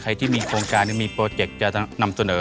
ใครที่มีโครงการมีโปรเจกต์จะนำเสนอ